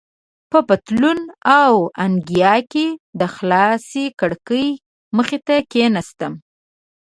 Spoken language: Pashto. په پتلون او انګیا کې د خلاصې کړکۍ مخې ته کېناستم.